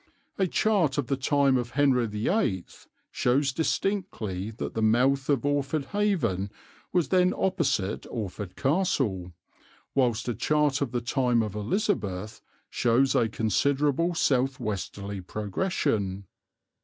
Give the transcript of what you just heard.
A chart of the time of Henry VIII shows distinctly that the mouth of Orford Haven was then opposite Orford Castle, whilst a chart of the time of Elizabeth shows a considerable south westerly progression.